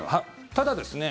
ただですね